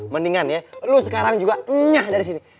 mendingan ya lu sekarang juga enyah dari sini